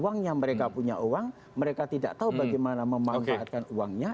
uangnya mereka punya uang mereka tidak tahu bagaimana memanfaatkan uangnya